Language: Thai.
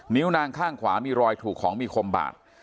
้วนางข้างขวามีรอยถูกของมีคมบาด